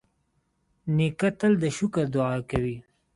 نیکه تل د شکر دعا کوي.